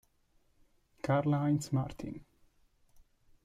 Karlheinz Martin